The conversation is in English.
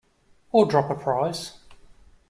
Or drop a prize.